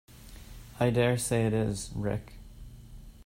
I dare say it is, Rick.